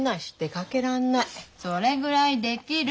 それぐらいできる。